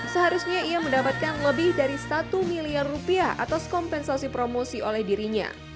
seharusnya ia mendapatkan lebih dari satu miliar rupiah atas kompensasi promosi oleh dirinya